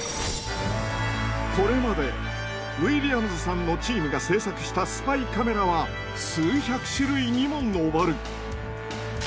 これまでウィリアムズさんのチームが制作したスパイカメラは数百種類にも上る。